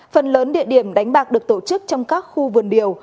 phần lớn địa điểm đánh bạc được tổ chức trong các khu vườn điều